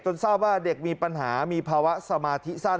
ทราบว่าเด็กมีปัญหามีภาวะสมาธิสั้น